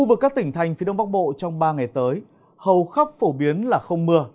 với các tỉnh thành phía đông bắc bộ trong ba ngày tới hầu khắp phổ biến là không mưa